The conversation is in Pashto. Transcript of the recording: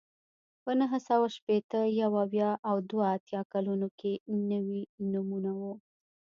په نهه سوه شپېته، یو اویا او دوه اتیا کلونو کې نوي نومونه وو